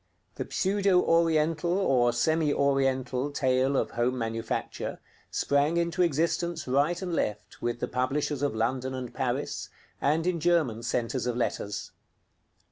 The pseudo Oriental or semi Oriental tale of home manufacture sprang into existence right and left with the publishers of London and Paris, and in German centres of letters.